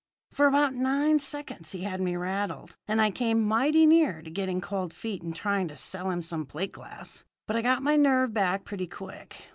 "For about nine seconds he had me rattled, and I came mighty near getting cold feet and trying to sell him some plate glass. But I got my nerve back pretty quick.